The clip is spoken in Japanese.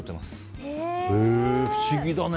不思議だね。